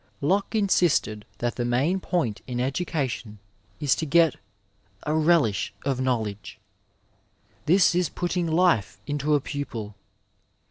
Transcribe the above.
Locke insisted that the main point in education is to get *' a relish of know ledge." *^ This is putting life into a pupil."